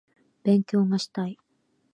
勉強がしたい